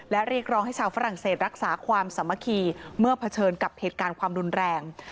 และเรียกร้องให้ชาวฝรั่งเศสรักษาความสามัคคีเมื่อเผชิญกับเหตุการณ์ความรุนแรง